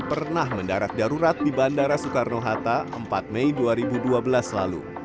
pernah mendarat darurat di bandara soekarno hatta empat mei dua ribu dua belas lalu